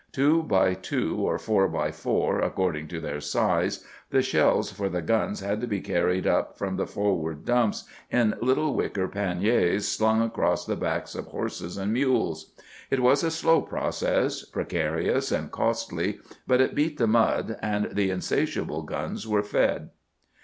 Two by two or four by four, according to their size, the shells for the guns had to be carried up from the forward dumps in little wicker panniers slung across the backs of horses and mules. It was a slow process, precarious and costly, but it beat the mud, and the insatiable guns were fed.